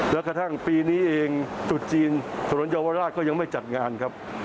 แล้วกระทั่งปีนี้เองจุดจีนถนนเยาวราชก็ยังไม่จัดงานครับ